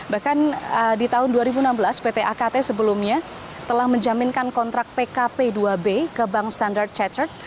bahkan di tahun dua ribu enam belas pt akt sebelumnya telah menjaminkan kontrak pkp dua b ke bank standar chatter